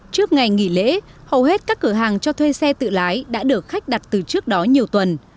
trước ngày nghỉ lễ hầu hết các cửa hàng cho thuê xe tự lái đã được khách đặt từ trước đó nhiều tuần